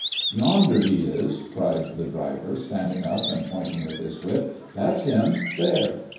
"Yonder He is," cried the driver, standing up and pointing with his whip. "That's Him, there."